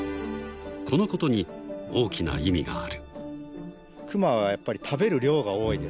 ［このことに大きな意味がある］